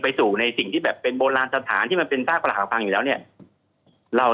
ไปสวดมนต์ตรงนั้นเลย